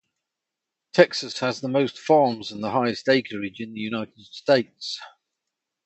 Texas has the most farms and the highest acreage in the United States.